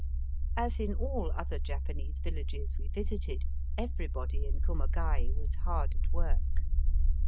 As in all other Japanese villages we visited, everybody in Kumagai was hard at work.